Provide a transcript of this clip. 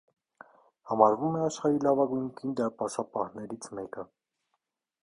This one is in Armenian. Համարվում է աշխարհի լավագույն կին դարպասապահներից մեկը։